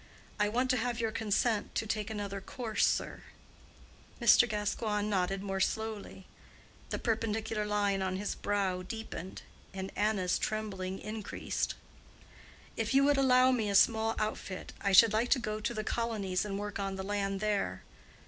I want to have your consent to take another course, sir." Mr. Gascoigne nodded more slowly, the perpendicular line on his brow deepened, and Anna's trembling increased. "If you would allow me a small outfit, I should like to go to the colonies and work on the land there."